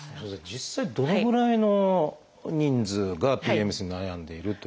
実際どのぐらいの人数がＰＭＳに悩んでいることになるんですか？